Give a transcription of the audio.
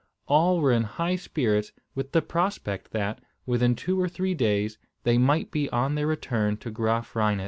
All were in high spirits with the prospect that, within two or three days, they might be on their return to Graaf Reinet.